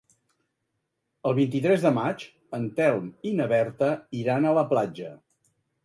El vint-i-tres de maig en Telm i na Berta iran a la platja.